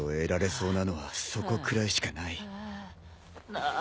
ああ。